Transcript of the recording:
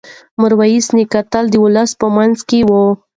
میرویس نیکه تل د ولس په منځ کې و.